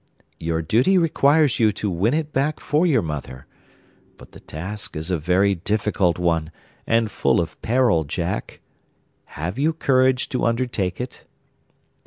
'Your duty requires you to win it back for your mother. But the task is a very difficult one, and full of peril, Jack. Have you courage to undertake it?